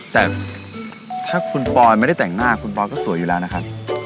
แต่ถ้าคุณปอยไม่ได้แต่งหน้าคุณปอยก็สวยอยู่แล้วนะครับ